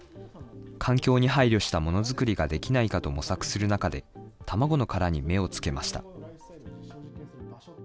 環境に配慮したものづくりができないかと模索する中で、卵の殻に目をつけました。